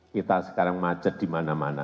kita sekarang macet dimana mana